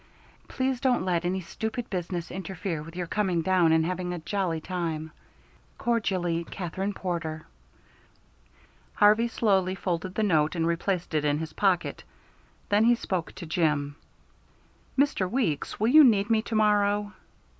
Please don't let any stupid business interfere with your coming down and having a jolly time. Cordially, KATHERINE PORTER. Harvey slowly folded the note and replaced it in his pocket. Then he spoke to Jim. "Mr. Weeks, will you need me to morrow?"